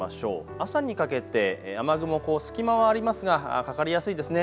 朝にかけて雨雲、隙間はありますがかかりやすいんですね。